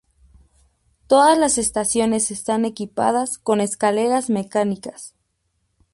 Todas las estaciones están equipadas con escaleras mecánicas.